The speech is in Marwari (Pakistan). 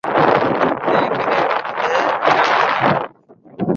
ٿَي ڪنَي ڏوڌ هيَ يان ڪونَي